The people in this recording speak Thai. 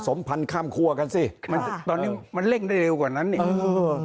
สมพันธ์ข้ามครัวกันสิมันตอนนี้มันเร่งได้เร็วกว่านั้นอีกเออ